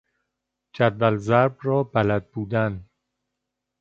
جدول ضرب را بلد بودن